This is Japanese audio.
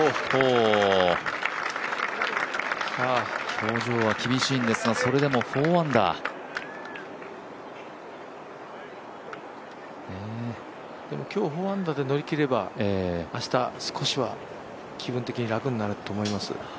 表情は厳しいんですがでも今日４アンダーで乗り越えれば明日、少しは気分的には楽になると思います。